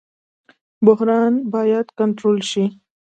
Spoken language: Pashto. بحران باید کنټرول شي